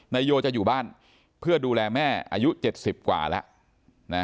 นายโยจะอยู่บ้านเพื่อดูแลแม่อายุ๗๐กว่าแล้ว